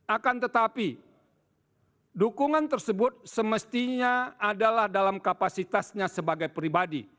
akan tetapi dukungan tersebut semestinya adalah dalam kapasitasnya sebagai pribadi